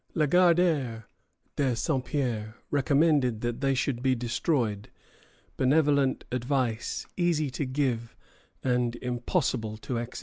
Legardeur de Saint Pierre recommended that they should be destroyed, benevolent advice easy to give, and impossible to execute.